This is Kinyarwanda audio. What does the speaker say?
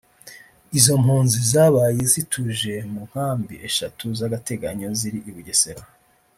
Izo mpunzi zabaye zitujwe mu nkambi eshatu z’agateganyo ziri i Bugesera